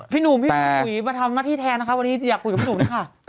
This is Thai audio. พี่หนุ่มพี่อุ๋ยมาทำหน้าที่แทนนะคะวันนี้อยากคุยกับพี่หนุ่มด้วยค่ะ